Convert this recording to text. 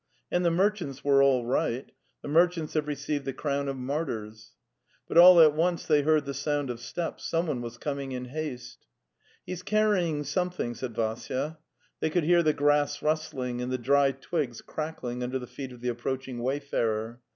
And the merchants were all right. ... The merchants have received the crown of martyrs." But all at once they heard the sound of steps; someone was coming in haste. '""He's carrying something," said Vassya. They could hear the grass rustling and the dry twigs crackling under the feet of the approaching wayfarer.